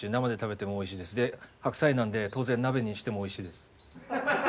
で白菜なんで当然鍋にしてもおいしいです。